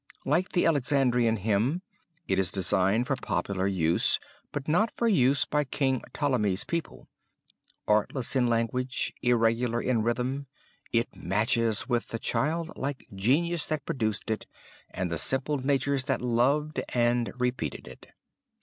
Like the Alexandrian hymn, it is designed for popular use, but not for use by King Ptolemy's people; artless in language, irregular in rhythm, it matches with the childlike genius that produced it, and the simple natures that loved and repeated it."